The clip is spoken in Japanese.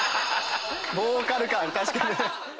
ボーカル感確かに。